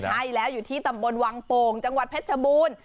ใช่แล้วอยู่ที่ตำบลวังโป่งจังหวัดเพชรชบูรณ์